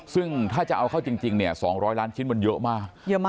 ซึ่งถ้าจะเอาเข้าจริงเนี่ย๒๐๐ล้านชิ้นมันเยอะมาก